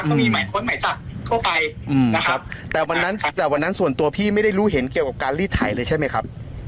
ก็มีหมายค้นหมายจับทั่วไปนะครับแต่วันนั้นแต่วันนั้นส่วนตัวพี่ไม่ได้รู้เห็นเกี่ยวกับการลีดไถเลยใช่ไหมครับ